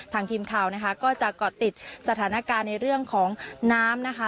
ทีมข่าวนะคะก็จะเกาะติดสถานการณ์ในเรื่องของน้ำนะคะ